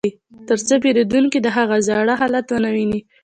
ترڅو پیرودونکي د هغه زاړه حالت ونه ویني